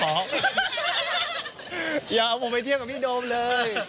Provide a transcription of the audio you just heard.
อย่าเอาผมไปเทียบกับพี่โดมเลย